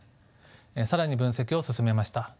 更に分析を進めました。